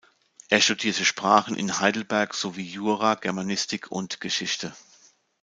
Er studierte Sprachen in Heidelberg sowie Jura, Germanistik und Geschichte.